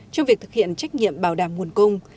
trong việc thực hiện trách nhiệm bảo đảm nguồn cung